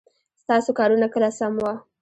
ستاسو کارونه کله سم وه ؟